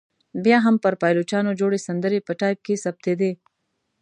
بیا هم پر پایلوچانو جوړې سندرې په ټایپ کې ثبتېدې.